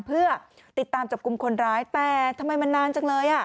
เพื่อติดตามจับกลุ่มคนร้ายแต่ทำไมมันนานจังเลย